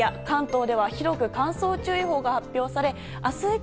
関東では広く乾燥注意報が発表され明日